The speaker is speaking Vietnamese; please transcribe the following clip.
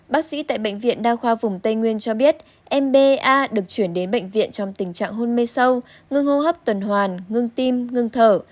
bác sĩ tại bệnh viện đa khoa vùng tây nguyên cho biết m ba được chuyển đến bệnh viện trong tình trạng hôn mê sâu ngưng hô hấp tuần hoàn ngưng tim ngưng thở